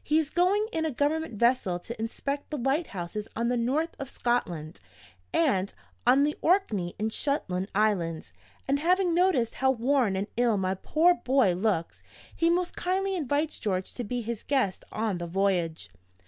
He is going in a Government vessel to inspect the lighthouses on the North of Scotland, and on the Orkney and Shetland Islands and, having noticed how worn and ill my poor boy looks, he most kindly invites George to be his guest on the voyage.